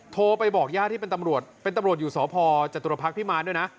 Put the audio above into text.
โทรไปบอกญาติที่เป็นตำรวจเป็นตำรวจอยู่สพจตุรพักษ์พิมารด้วยนะ